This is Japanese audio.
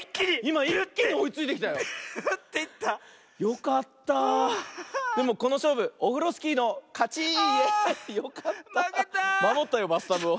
まもったよバスタブを。